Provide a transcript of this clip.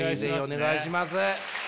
お願いします。